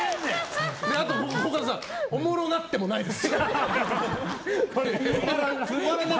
コカドさんおもろなってもないです。